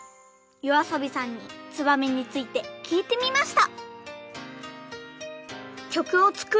ＹＯＡＳＯＢＩさんに「ツバメ」についてきいてみました。